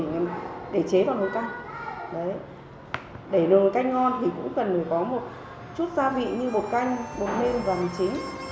để nguội để chế vào nồi canh để nồi canh ngon thì cũng cần có một chút gia vị như bột canh bột mê vàng chế